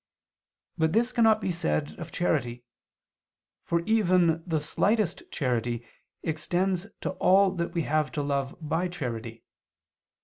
But this cannot be said of charity, for even the slightest charity extends to all that we have to love by charity.